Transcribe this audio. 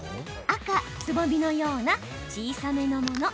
赤・つぼみのような小さめのもの。